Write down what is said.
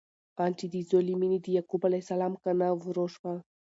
آن چې د زوی له مینې د یعقوب علیه السلام کانه وروشوه!